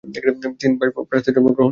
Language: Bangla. তিনি ভার্সাই প্রাসাদে জন্মগ্রহণ করেন।